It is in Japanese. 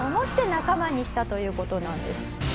仲間にしたという事なんです。